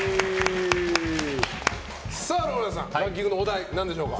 ＲＯＬＡＮＤさんランキングのお題は何でしょうか。